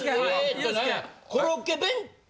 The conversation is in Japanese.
何やコロッケ弁当？